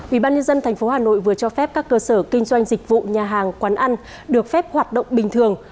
ubnd tp hà nội vừa cho phép các cơ sở kinh doanh dịch vụ nhà hàng quán ăn được phép hoạt động bình thường